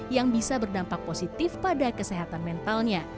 yang bisa berdampak positif pada kesehatan mentalnya